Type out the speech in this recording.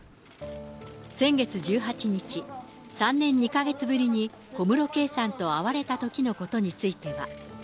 先月１８日、３年２か月ぶりに、小室圭さんと会われたときのことについては。